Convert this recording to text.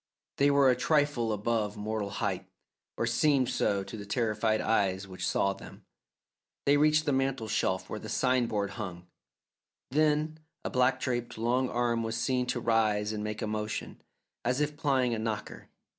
They were a trifle above mortal height, or seemed so to the terrified eyes which saw them. They reached the mantel shelf where the sign board hung, then a black draped long arm was seen to rise and make a motion, as if plying a knocker.